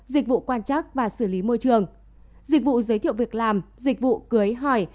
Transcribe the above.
dịch vụ quan trắc và xử lý môi trường dịch vụ giới thiệu việc làm dịch vụ cưới hỏi